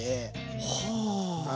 はあ。